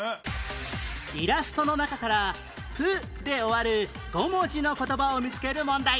イラストの中から「プ」で終わる５文字の言葉を見つける問題